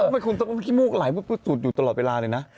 มรรคุณต้องคิดมากห๊ะเล่าสูตรอยู่ตลอดเวลาเลยนะ